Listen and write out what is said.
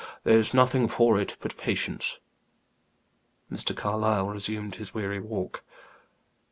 There's nothing for it but patience." Mr. Carlyle resumed his weary walk.